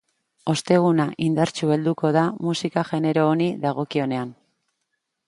Osteguna indartsu helduko da musika genero honi dagokionean.